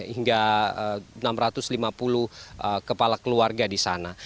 hingga enam ratus lima puluh kepala keluarga di sana